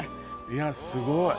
いやすごい。